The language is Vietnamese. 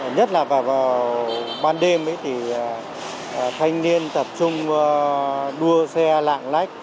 nhất là vào ban đêm thì thanh niên tập trung đua xe lạng lách